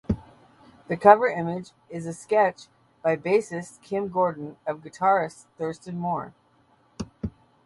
The cover image is a sketch by bassist Kim Gordon of guitarist Thurston Moore.